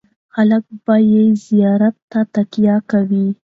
خلک به یې زیارت ته تګ کاوه.